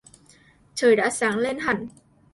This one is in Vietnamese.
Trời đã sáng lên hẳn